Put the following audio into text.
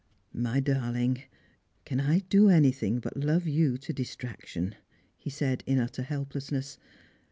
" My darling, can I do anything but love you to distrac tion ?" he said in utter helplessness.